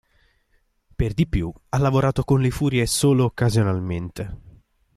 Per di più, ha lavorato con le Furie solo occasionalmente.